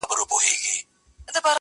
o چي پيلان کوي، پيلخانې به جوړوي!